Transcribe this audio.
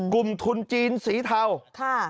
กลุ่มทุนจีนสีเทา